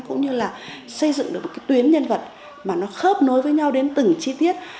cũng như là xây dựng được một cái tuyến nhân vật mà nó khớp nối với nhau đến từng chi tiết